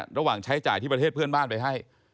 ระหว่างใช้จ่ายที่ประเทศเพื่อนบ้านไปให้